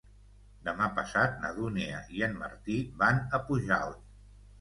Demà passat na Dúnia i en Martí van a Pujalt.